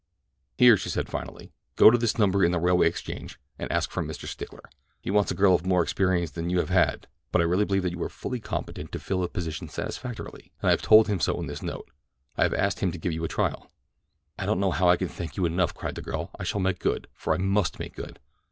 "Here," she said finally; "go to this number in the Railway Exchange and ask for Mr. Stickler. He wants a girl of more experience than you have had, but I really believe that you are fully competent to fill the position satisfactorily, and I have told him so in this note. I have asked him to give you a trial." "I don't know how I can thank you enough," cried the girl. "I shall make good, for I must make good."